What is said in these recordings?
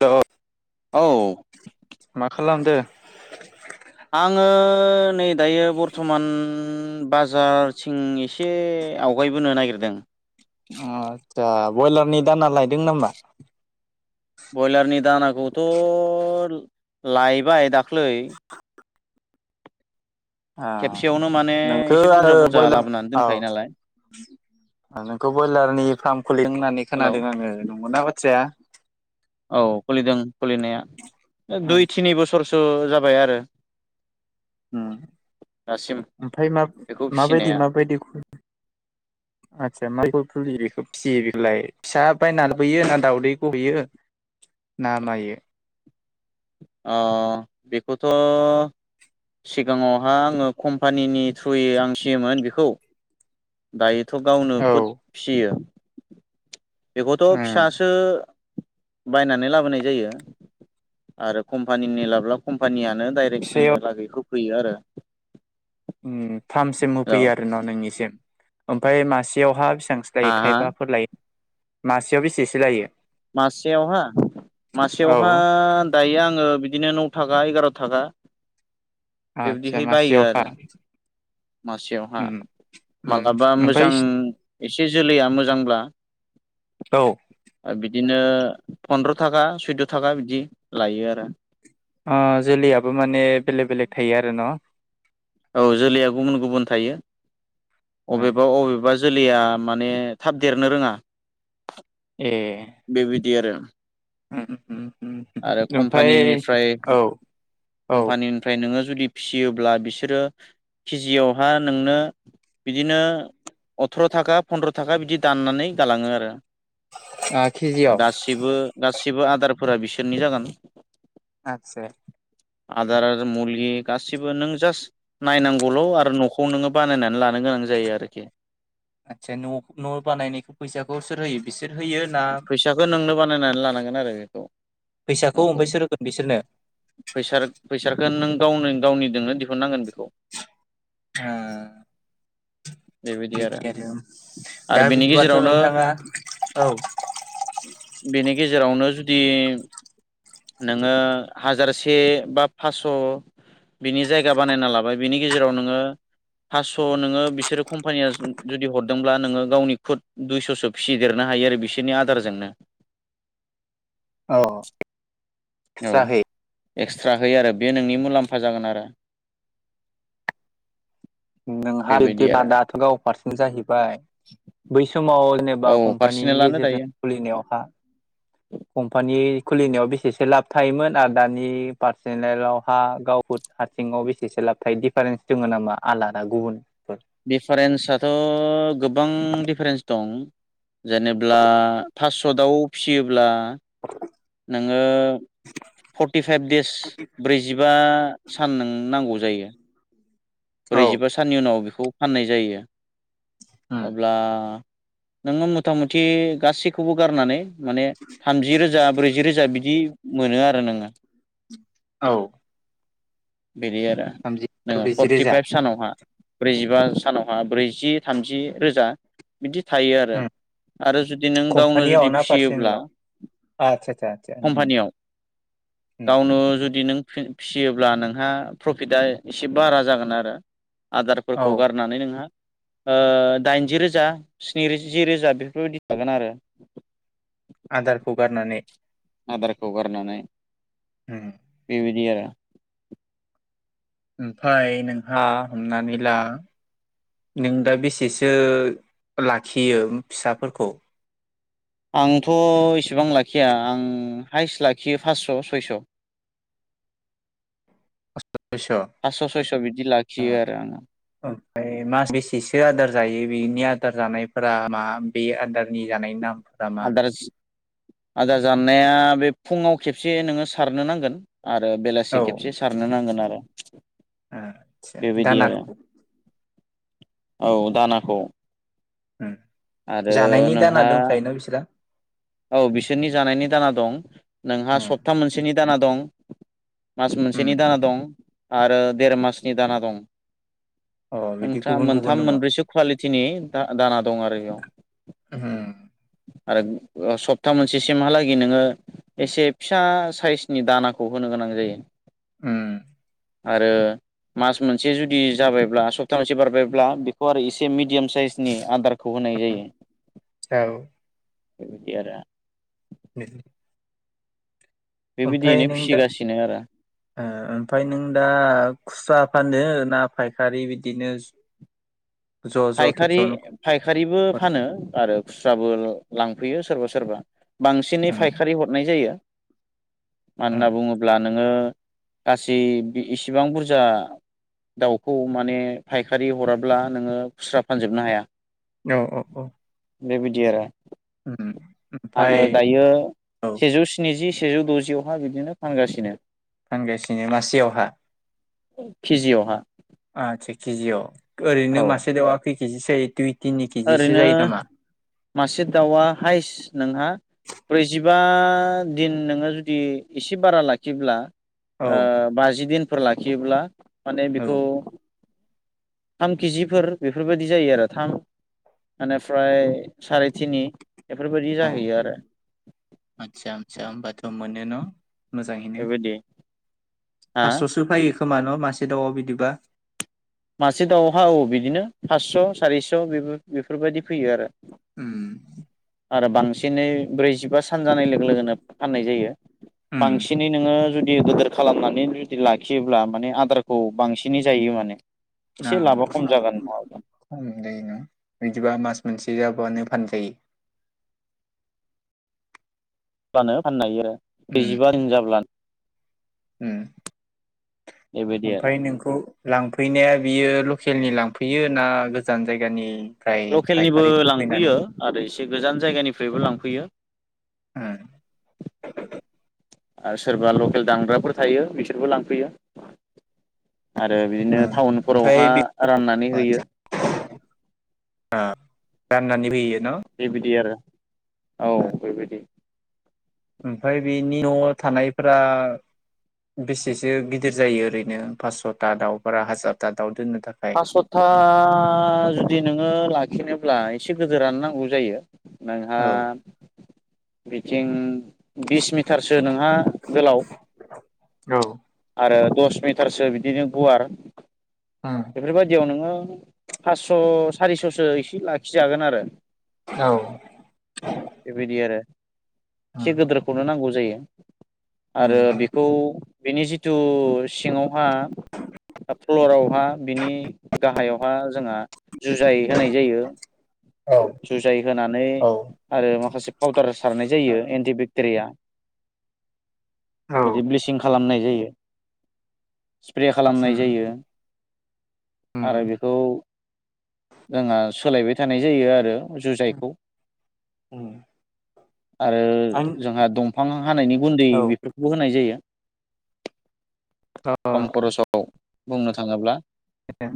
द' औ मा खालामदों? आंङो नै दायो बरथमान बाजारथिं एसे आवगाय निबोनो नागिरदों। आदसा बयलारनि दाना लायदों नामा? बयलारनि दानाखौथ लायबाय दाख्लै। आ खेबसेयावनो माने नोंखो एसे आरो बुरजा बुरजा बयलार लाबोनानै दोनखायो नालाय औ नोंखौ बयलारनि फार्म खुलिदों होननानै हेलौ खोनादों आंङो नंगौना बाथ्राया? औ खुलिदों खुलिनाया ओ दुइ थिनि बोसोरसो जाबाय आरो। उम दासिम ओमफाय मा बेखौ माबायदि फिसिनाया माबायदि खु आदसा [unintelligible] थुलि बेखौ फिसियो बेखौलाय फिसा बायनानै बोयो ना, दाउदैखौ बियो नामायो। अ' बेखौथ' सिगाङावहा आंङो कम्पानिनि थ्रुयै आं सिमोन बेखौ दायो थ' गावनो औ खुद फियो बेखौथ उम फिसासो बायनानै लाबोनाय जायो। आरो कम्पानिनि लाबब्ला कम्पानिया नों् डाइरेक फिसायाव जोंनो लागैखौ हो फैयो आरो। उम फार्म सिम होफैयो हेल' आरो न' नोंनिसिम। ओमफाय मासेयावहा बेसेबांसो लायो हाहा थाइबाफोर लायो मासेयाव बेसेसो लायो? मासेयावहा औ मासेयावहा दायो आं ङो बिदिनो नौ थाखा एगार थाखा आदसा बिबदिहै बायो मासेयावहा आरो मासेयावहा उम उम मालाबा ओमफ्राय मोजां एसे जोलैया मोजांब्ला औ ओ बिदिनो फनद्र थाखा सैद थाखा बिदि लायो आरो। ओ जोलैयाबो माने बेलेग बेलेक थायो आरो न'। औ जोलैया गुबुन गुबुन थायो। ओ अबेबा अबेबा जोलैया माने थाब देरनो रोङा। ए बेबायदि आरो‌। उम उम उम उम आरो ओमफ्राय कम्पनिनिफ्राय औ ओ कम्पानिनिफ्राय नोंङो जुदि फियोब्ला बिसोरो केजियावहा नोंनो बिदिनो अथ्र थाखा फन्द्र थाखा बिदि दाननानै गालाङो आरो। केजियाव गासिबो गासिबो आदारफोरा बिसोरनि जागोन। आथसे आदार आरो मुलि गासिबो नों जास्ट नायनांगौल आरो नखौ नोंङो बानायनानै लानो गोनां जायो आरोखि। आदसा न' न' बानायनायखौ फैसाखौ सोर होयो? बिसोर होयो ना फैसाखौ नोंनो बानायनानै लानांगोन आरो बेखौ फैसाखौ न'खौ। ओमफ्राय सोर होगोन बिसोरनो फैसार फैसारखौ नों गावनो गावनिजोंनो दिहुननांगोन बेखौ। उम बेबायदि आरो [unintelligible] दा आरो बेनि बिदिबाथ गेजेरावनो नोंथाङा औ बेनि गेजेरावनो जुदि नोङो हाजारसे बा फास्स' बिनि जायगा बानायना लाबाय बिनि गेजेराव नोङो फासस' नोङो बिसोरो कम्पानिया जुदि हरदोंब्ला नोङो गावनि खुद दुइस'सो फिसिदेरना हायो आरो बिसोरनि आदारजोंनो औ औ जाहै एक्सट्रा होयो आरो बे नोंनि मुलाम्फा जागोन आरो नोंहा बि बेबायदि आरो दाथ' गाव फारसेन जाहैबाय बै समाव जेबा औ कम्भानिनि पार्सनेलानो गेजेर दायो जोंहा कम्भानि बे खुलिनायाव बेसेसो थायो मोन आरो दानि पारसिनेल'हा [unintelligible] बेसेसो लाबथाय दिफारेन्स दोङ नामा आलादा गुबुन दिफारेन्साथ' गोबां दिफारेन्स दं जेनेब्ला पास्सतआव फियोब्ला नोङो फर्टिफाइभ देस ब्रैजिबा सान नों नांगौ जायो औ ब्रैजिबा साननि उनाव बेखौ फाननाय जायो उम अब्ला नोङो मथा मथि गासैखौबो गारनानै माने थामजि रोजा ब्रैजि रोजा बिदि मोनो आरो नोङो औ बिदि आरो थामजि नोङो ब्रैजि रोजा फर्टिफाइभ सानावहा ब्रैजिबा सानावहा ब्रैजि थामजि रोजा बिदि थायो आरो उम आरो जुदि नों गावनो जुदि फियोब्ला आतसा आतसा आतसा गावनो जुदि नों फिसियोब्ला नोंहा प्रफिटआ एसे बारा जागोन आरो औ आदारफोरखौ गारनानै नोंहा ओ दाइनजि रोजा स्निजि रोजा बेफोरबायदि थागोन आरो आदारखौ गारनानै आदारखौ गारनानै उम बेबायदि आरो ओमफफ्राय नोंहा हमनानै ला नों दा बेसेसो लाखियो फिसाफोरखौ आंथ' इसेबां लाखिया आं हाइस्ट लाखियो फास्स' सयस' [inaudible] पासस' सयस' बिदि लाखि ओ ओमफ्राय मास बेसेसो आदार जायो बेनि आदार जानायफोरा मा बे आदारनि जानायनि नाम आदार आदार जानाया बे फुङाव खेबसे नोङो सारनो नांगोन आरो बेलासि खेबसे सारनो नांगोन आरो ओ आचा बेबायदि आरो दानाखौ औ दानाखौ उम आरो जानायनि दाना नोंहा दंखायोना बिसोरा औ बिसोरनि जानायनि दाना दं नोंहा उम सप्ता मोनसेनि दाना दं मास उम मोनसेनि दाना दं आरो देर मासनि दाना दं अ बिदि नोंथाङा गुबुन गुबुन मोनथाम दङ मोनब्रैसो कुवालिटिनि द दाना दं आरो बेयाव उम आरो सप्ता मोनसेसिमहालागै नोङो एसे फिसा साइसनि दानाखौ होनो गोनां जायो उम आरो मास मोनसे जुदि जाबायब्ला सप्ता मोनसे बारबायब्ला बेखौ आरो एसे मिडियाम साइजनि आदार खौ होनाय जायो औ बेबायदि आरो [unintelligible] ओमफ्राय बेबायदियैनो नों दा फिसिगासिनो आरो ओ ओमफाय नों दा खुसा फानदो ना? फायखारि बिदिनो। ज' फायखारि खेबसेयावनो फायखारिबो फानो आरो। खुस्राबो लांफैयो सोरबा सोरबा बांसिनै उम फायखारि हरनाय जायो। मानो होनना उम बुङोब्ला नोङो गासै इसिबां बुरजा दाउखौ माने फायखारि हराब्ला नोङो खुस्रा फानजोबनो हाया। औ औ औ। बेबायदि आरो उम ओमफ्राय आङो दायो औ सेजौ स्निजि सेजौ द'जियावहा बिदिनो फानगासिनो। फानगासिनो मासेयावहा। केजियावहा। आचसा केजियाव ओरैनो औ मासे देआ खै केजिसो दुइ तिनि केजिसो ओरैनो जायो नामा मासे दाउआ हायस्ट नोंहा ब्रैजि बिबा दिन नोङो जुदि एसे बारा लाखियोब्ला औ बाजिदिन फोर लाखियोब्ला माने बेखौ औ थाम केिजिफोर बेफोरबायदि जायो आरो थाम एनिफ्राय सारि तिनि। बेफोरबायाददि जाहैयो आरो। बेन' मोजाङैनो। बेबायदि हा फास्स'सो फायो खोमान' मासे दाउआव बिदिबा? मासे दाउहा औ बिदिनो फासस' सारिस' बेफोरबायदि फैयो आरो। उम। आरो बांसिनै ब्रैजिबा सान जानाय लोगो लोगोनो फाननाय जायो। उम बांसिनै नोङो जुदि गिदोर खालामनानै जुदि लाखियोब्ला माने आदारखौ बांसिनै जायो माने। एसे लाबा खम जागोन नङाब्लानो [unintelligible] नैदिबा मास मोनसे जाबावानो फानजायो। फानो फाननो हायो ।आरो उम ब्रैजिबा दिन जाब्लानो। उम बेबायदि आरो ओमफ्राय नोंखौ लांफैनाया बियो लकेलनि लांफैयो ना गोजान जायगानि? लकेलनिबो लांफैयो आरो एसे गोजान जायगानिफ्रायबो लांफैयो। उम आरो सोरबा लकेल दामग्राफोर थायो बिसोरबो लांफैयो। आरो बिदिनो उम टाउनफोरावहा ओमफ्राय बे राननानै होयो। आं राननानैबो हैयो। बे बिदिआरो। औ ओ बेबायदि। ओमफ्राय बेनि न' थानायफोरा बेसेसो गिदिर जायो ओरैनो फासस'था दाउ बारा हाजारथा दाउ दोननो? थाखाय पास्स'था जुदि नोङो लाखिनोब्ला एसे गोदोरानो नांगौ जायो। नोंहा औ मिथिं बिस मिटारसो नोंहा गोलाव औ आरो दस मिटारसो बिदिनो गुवार बेफोरबायदियाव नोङो। फासस' सारिस'सो एसे लाखिजागोन आरो औ बेबायदि आरो एसे गिदोरखौनो नांगौ। जायो आरो बेखौ बिनि जि जिथु सिङावहा फ्लरावहा बिनि गाहायाव आ जोंहा जुजाय होनाय जायो। जुजाय होनानै औ आरो माखासे पाउदार सारनाय जायो एन्टिबेक्टेरिया। बिदि ब्लिसिं खालामनाय जायो। स्प्रे खालामनाय जायो आरो बेखौ जोंहा सोलायबाय थानाय जायो आरो जुजाइखौ आरो आं जोंहा दंफां हानायनि गुन्दै बेफोरखौबो होनाय जायो । औ खम खरसाव बुंनो थाङोब्ला ए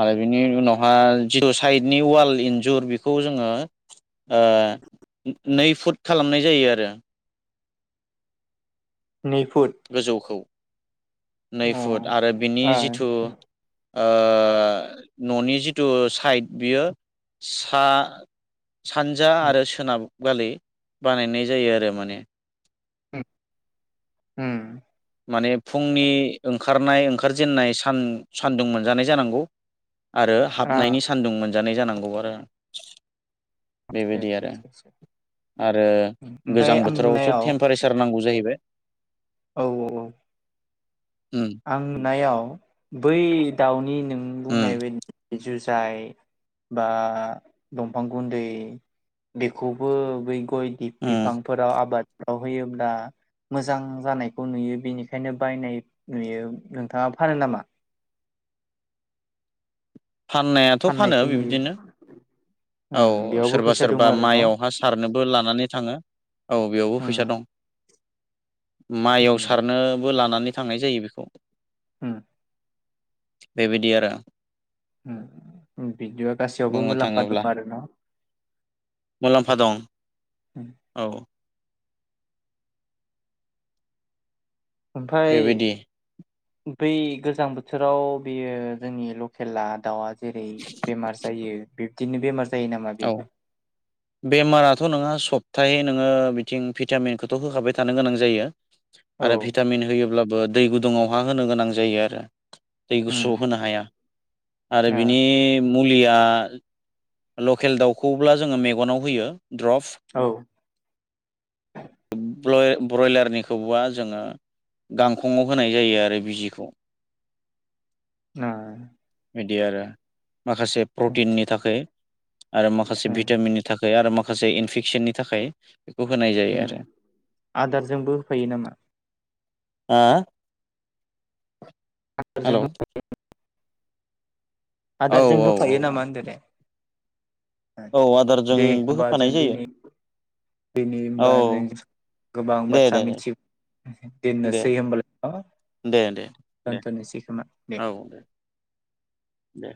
आरो बिनि उनावहााय जिथु साइडनि वाल इन्जुर बेखौ जोङो नै फुट खालामनाय जायो आरो। नै फुट गोजौखौ नै अ फुट आरो बिनि जिथु आदसा न'नि जिथु साइड बियो सा सानजा आरो सोनाब गलि बानायनाय जायो आरो माने हुम माने फुंनि ओंखारनाय ओंखारजेननाय सान सान्दुं मोनजानाय जानांगौ। आरो हाबनायनि सान्दुं मोनजानाय जानांगौ आरो ए बेबायदि आरो आरो गोजां बोथोरावस' टेम्पारेसार नांगौ जाहैबाय औ औ औ उम आंनायाव बै दाउनि नों उम बुंनाय बायदि जुजाइ बा दंफां गुन्दै बेखौबो बै गय उम बिफांफोराव आबाद [inaudible] होयोब्ला मोजां जानायखौ नुयो बेनिखायनो बायनाय। नुयो नोंथाङा फानो नामा? फाननायाथ' फानो फाननायखौ नुयो बिबदिनो उम औ बेयावबो सोरबा फैसा दङ सोरबा आरो न' माइयावहा सारनोबो लानानै थाङो। औ बेयावबो उम फैसा दं माइआव उम सारनोबो लानानै थांनाय जायो बेखौ हा बेबायदि आरो बिदिआ गासैयावबो बुंनो मुलाम्फा थाङोब्ला दं आरो ना, । मुलाम्फा दं औ ओमफफ्राय बेबायदि बै गोजां बोथोराव बेयो जोंनि लकेला दाउआ जेरै बेमार जायो बिब्दिनो बेमार जायो नामा औ बेबो बेमाराथ' नोंहा सब हपथायै नोङो बिथिं भिटामिनखौथ' होखाबाय थानो गोनां जायो औ आरो भिटामिन होयोब्ला। बा दै गुदुुङावहा होनो गोनां जायो आरो। दै उम गुसु होनो हाया आरो ओ बिनि मुलिया लकेल दाउखौब्ला जोङो मेगनाव होयो औ द्रप ब्रयलारनिखौबा जोङो गांखंआव होनाय जायो आरो बिजिखौ [inaudible] बिदि आरो माखासे प्रटिननि थाखाय [inaudible] आरो माखासे उम भिटामिननि थाखाय आरो माखासे इनफेकसननि थाखाय बेखौ होनाय जायो उम आरो आदारजोंबो होफायो नामा? हा हेलौ [inaudible] औ आदारजों औ औ होफायो औ नामा होनदों? औ दे आदारजोंबो होमबा जों होफानाय जायो दिनि दिनि औ होमबा नों गोबां दे बाथ्रा दे मिथि दोननो दे सै होमबाल। दे दे दे दोनथ'नोसै खोमा दे। दे